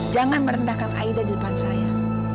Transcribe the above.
jangan merendahkan aida di depan saya